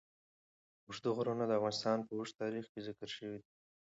اوږده غرونه د افغانستان په اوږده تاریخ کې ذکر شوی دی.